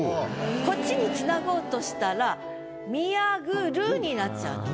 こっちにつなごうとしたら「見上ぐる」になっちゃうの。